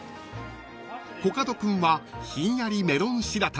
［コカド君はひんやりメロン白玉］